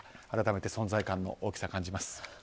改めて存在感の大きさを感じます。